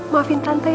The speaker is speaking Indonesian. maafin tante ya